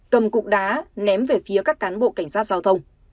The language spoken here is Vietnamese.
cầm cục đá ném về phía các cán bộ cảnh sát giao thông